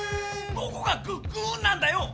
どこがグッグーンなんだよ